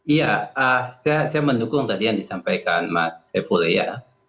iya saya mendukung tadi yang disampaikan mas evole ya